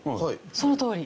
そのとおり。